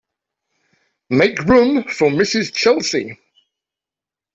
Make room for Mrs. Chelsea.